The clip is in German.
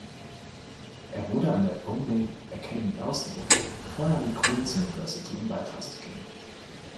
Er wurde an der Omagh Academy ausgebildet, bevor er an die Queen's University in Belfast ging.